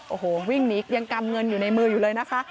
โอ้โหวิ่งหนียังกำเงินอยู่ในมืออยู่เลยนะคะ